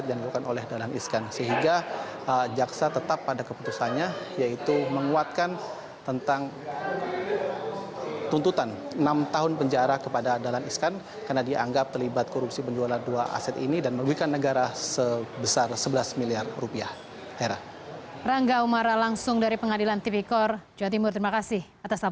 sehingga jaksa tetap pada keputusannya yaitu menguatkan tentang tuntutan enam tahun penjara kepada dahlan iskan karena dianggap terlibat korupsi penjualan dua aset ini dan merugikan negara sebesar sebelas miliar rupiah